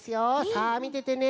さあみててね。